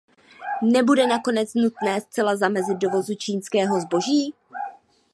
Nebude nakonec nutné zcela zamezit dovozu čínského zboží?